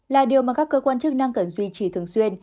là điều mà các cơ quan chức năng cần duy trì thường xuyên